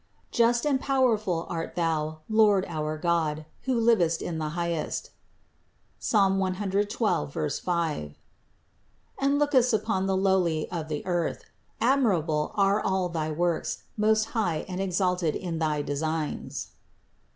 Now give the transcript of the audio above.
Just and powerful art Thou, Lord our God, who livest in the highest (Ps. 112, 5) and lookest upon the lowly of the earth. Admirable are all thy works, most high and exalted in thy designs."